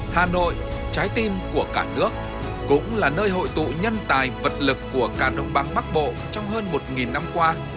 hà nội trái tim của cả nước cũng là nơi hội tụ nhân tài vật lực của cả đồng băng bắc bộ trong hơn một năm qua